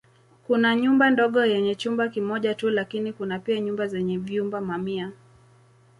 Kuna nyumba ndogo yenye chumba kimoja tu lakini kuna pia nyumba zenye vyumba mamia.